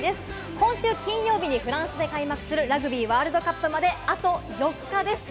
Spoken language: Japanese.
今週金曜日にフランスで開幕するラグビーワールドカップまであと４日です。